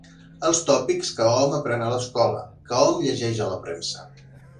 Els tòpics que hom aprèn a l'escola, que hom llegeix a la premsa.